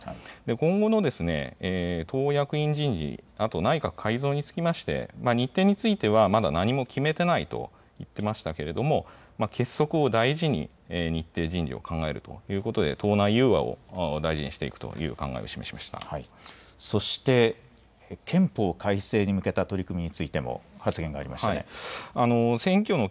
今後の党役員人事、あと内閣改造につきまして日程についてはまだ何も決めていないと言っていましたけれども結束を大事に日程人事を考えるということで、党内融和を大事にしていくという考えをそして、憲法改正に向けた取り組みについても発言がありましたね。